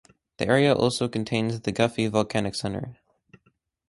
The area also contains the Guffey volcanic center.